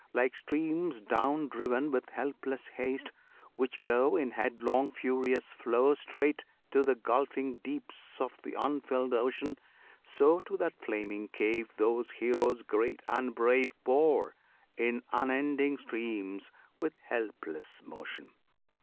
Like streams down driven With helpless haste, which go In headlong furious flow Straight to the gulfing deeps of th' unfilled ocean, So to that flaming cave Those heroes great and brave Pour, in unending streams, with helpless motion!